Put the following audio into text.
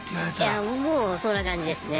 いやもうそんな感じですね。